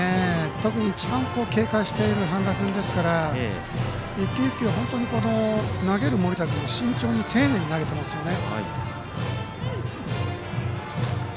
特に一番、警戒している半田君ですから一球一球、投げる盛田君も慎重に丁寧に投げてますよね。